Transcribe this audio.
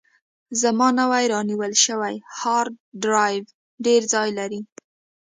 زما نوی رانیول شوی هارډ ډرایو ډېر ځای لري.